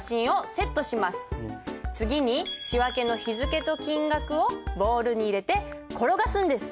次に仕訳の日付と金額をボールに入れて転がすんです。